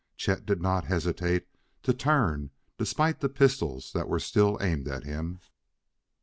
Chet did not hesitate to turn despite the pistols that were still aimed at him.